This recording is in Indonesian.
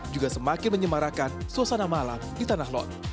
juga semakin menyemarakan suasana malam di tanah lot